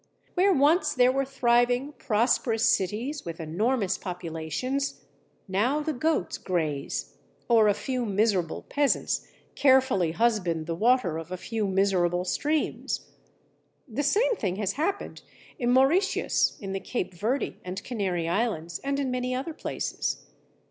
Where once there were thriving, prosperous cities with enormous populations, now the goats graze or a few miserable peasants carefully husband the water of a few miserable streams. The same thing has happened in Mauritius, in the Cape Verde and Canary Islands, and in many other places.